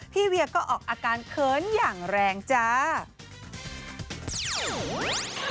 เวียก็ออกอาการเขินอย่างแรงจ้า